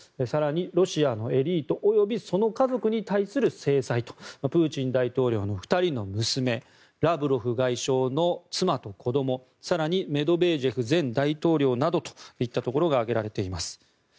更に、ロシアのエリート及びその家族に対する制裁とプーチン大統領の２人の娘ラブロフ外相の妻と子ども更にメドベージェフ前大統領などといったところが挙げられています。